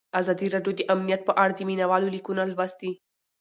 ازادي راډیو د امنیت په اړه د مینه والو لیکونه لوستي.